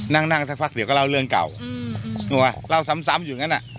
นั่งนั่งสักพักเดี๋ยวก็เล่าเรื่องเก่าถูกไหมเล่าซ้ำอยู่อย่างนั้นอ่ะ